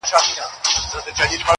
بخت به کله خلاصه غېږه په خندا سي-